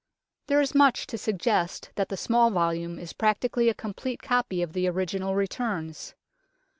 There is much to suggest that the small volume is practically a complete copy of the original returns.